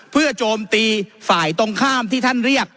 เพื่อโจมตีฝ่ายตรงข้ามที่ท่านเรียก